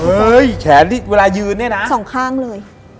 เฮ้ยเข้นที่เวลายืนเนี่ยนะ